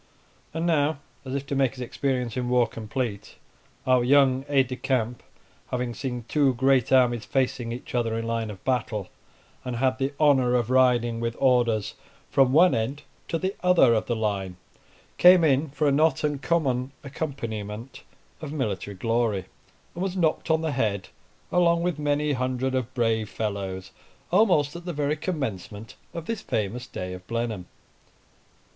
And now, as if to make his experience in war complete, our young aide de camp having seen two great armies facing each other in line of battle, and had the honor of riding with orders from one end to other of the line, came in for a not uncommon accompaniment of military glory, and was knocked on the head, along with many hundred of brave fellows, almost at the very commencement of this famous day of Blenheim.